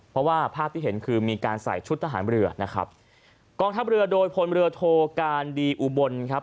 เพราะว่าภาพที่เห็นคือมีการใส่ชุดทหารเรือนะครับกองทัพเรือโดยพลเรือโทการดีอุบลครับ